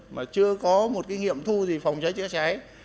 mà chưa có một nghiệm thu gì phòng cháy chữa cháy